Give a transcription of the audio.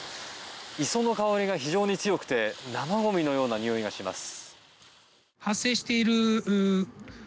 磯の香りが非常に強くて生ごみのようなにおいがします。